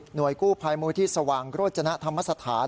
กู้ภัยมูลที่สว่างโรจนธรรมสถาน